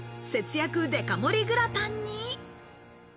節約デカ盛りグラタンに。